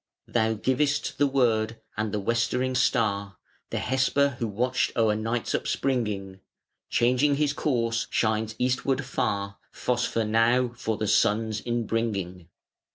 Thou givest the word, and the westering Star, The Hesper who watched o'er Night's upspringing, Changing his course, shines eastward far, Phosphor now, for the Sun's inbringing.